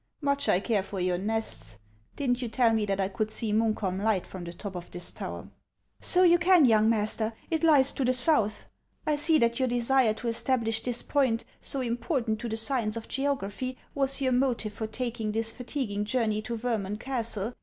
" Much I care for your nests ! Did n't you tell me that I could see Munkholm light from the top of this tower ?"" So you can, young master ; it lies to the south. I see that your desire to establish this point, so important to the science of geography, was your motive for taking this fatiguing journey to Vermund castle.